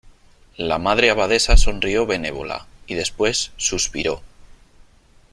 la Madre Abadesa sonrió benévola , y después suspiró :